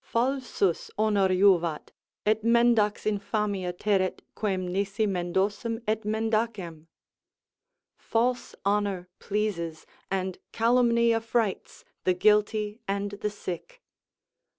"Falsus honor juvat, et mendax infamia terret Quem nisi mendosum et mendacem?" ["False honour pleases, and calumny affrights, the guilty and the sick."